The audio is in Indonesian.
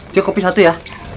cukupi satu ya